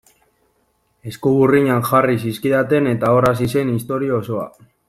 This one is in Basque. Eskuburdinak jarri zizkidaten eta hor hasi zen historia osoa.